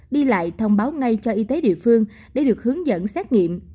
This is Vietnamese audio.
đi lại thông báo ngay cho y tế địa phương để được hướng dẫn xét nghiệm